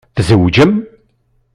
Tzewǧem?